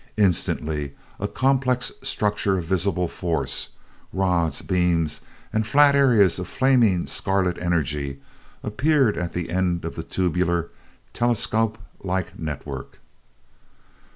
Instantly a complex structure of visible force rods, beams and flat areas of flaming scarlet energy appeared at the end of the tubular, telescope like network.